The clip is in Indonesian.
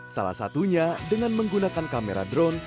salah satunya dengan menggunakan kamera drone